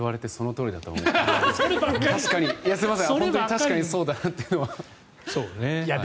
確かにそうだなというのは。